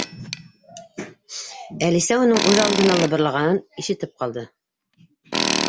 Әлисә уның үҙ алдына лыбырлағанын ишетеп ҡалды: